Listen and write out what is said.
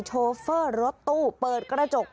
โชเฟอร์รถตู้เปิดกระจก